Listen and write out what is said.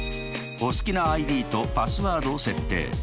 お好きなＩＤとパスワードを設定。